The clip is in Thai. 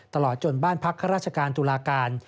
ตลอดจนบ้านพักข้าราชการตุลาการ